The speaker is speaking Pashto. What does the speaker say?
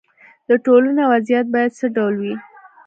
د ټولنې وضعیت باید څه ډول وي.